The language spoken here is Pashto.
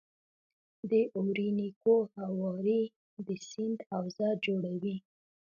د اورینوکو هوارې د سیند حوزه جوړوي.